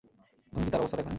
তুমি কি তার অবস্থা দেখনি?